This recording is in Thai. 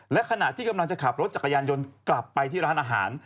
และขณะที่กำลังจะขับรถจักรยานยนต์กลับไปที่ร้านอาหาร